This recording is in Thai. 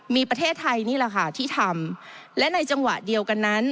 มีประเทศไทยนี่แหละค่ะที่ทำและในจังหวะเดียวกันนั้น